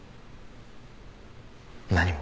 何も。